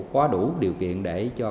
có đủ điều kiện để cho